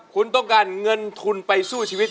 คุณต้องการเงินทุนไปสู้ชีวิต